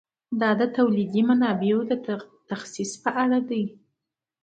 دا د تولیدي منابعو د تخصیص په اړه دی.